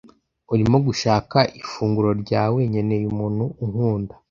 urimo gushaka ifunguro ryawe nkeneye umuntu unkunda